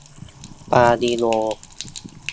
ปาลิโอ